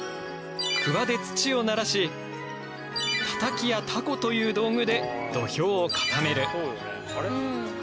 クワで土をならしタタキやタコという道具で土俵を固める。